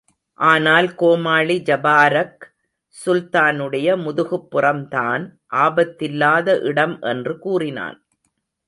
ஆனால் கோமாளி ஜபாரக் சுல்தானுடைய முதுகுப்புறம்தான் ஆபத்தில்லாத இடம் என்று கூறினான்.